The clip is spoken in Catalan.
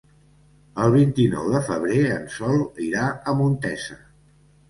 El vint-i-nou de febrer en Sol irà a Montesa.